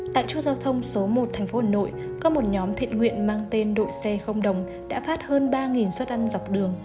tại chỗ giao thông số một thành phố hồn nội có một nhóm thiện nguyện mang tên đội xe không đồng đã phát hơn ba xuất ăn dọc đường